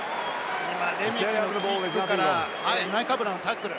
レメキのキックからナイカブラのタックル。